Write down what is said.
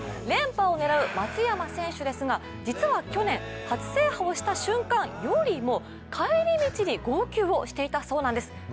連覇を狙う松山選手ですが実は去年、初制覇をした瞬間よりも帰り道に号泣をしていたそうなんです。